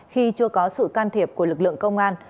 khi chưa có sự can thiệp của lực lượng công an